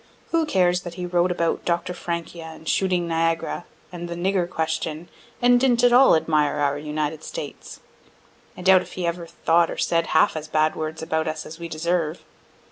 Who cares that he wrote about Dr. Francia, and "Shooting Niagara" and "the Nigger Question," and didn't at all admire our United States? (I doubt if he ever thought or said half as bad words about us as we deserve.)